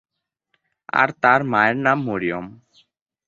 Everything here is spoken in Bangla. আর তার মায়ের নাম মরিয়ম।